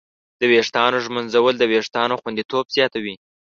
د ویښتانو ږمنځول د وېښتانو خوندیتوب زیاتوي.